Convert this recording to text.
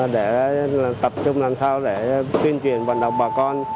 để tập trung làm sao để tuyên truyền vận động bà con